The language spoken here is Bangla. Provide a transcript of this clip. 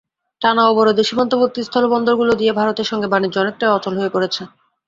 টানা অবরোধে সীমান্তবর্তী স্থলবন্দরগুলো দিয়ে ভারতের সঙ্গে বাণিজ্য অনেকটাই অচল হয়ে পড়েছে।